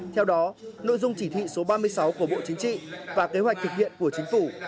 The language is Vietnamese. theo đó nội dung chỉ thị số ba mươi sáu của bộ chính trị và kế hoạch thực hiện của chính phủ